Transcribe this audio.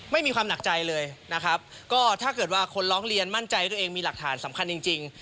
ไม่มีความหนักใจเลยนะครับก็ถ้าเกิดว่าคนร้องเรียนมั่นใจว่าตัวเองมีหลักฐานสำคัญจริง